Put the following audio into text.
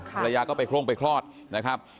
ภรรยาก็ไปโครงไปคลอดนะครับ